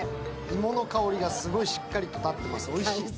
芋の香りが、しっかり立ってます。